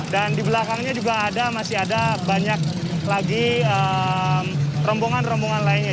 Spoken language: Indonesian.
dan di belakangnya juga masih ada banyak lagi rombongan rombongan lainnya